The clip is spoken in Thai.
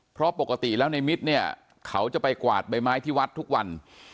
เพราะปกติแล้วในมิตรเนี่ยเขาจะไปกวาดใบไม้ที่วัดทุกวัน